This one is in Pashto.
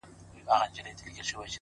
ستا د څوڼو ځنگلونه زمـا بــدن خـوري،